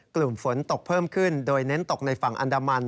กลุ่มฝนตกเพิ่มขึ้นโดยเน้นตกในฝั่งอันดามัน